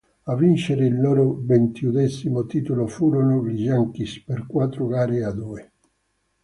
A vincere il loro ventiduesimo titolo furono gli Yankees per quattro gare a due.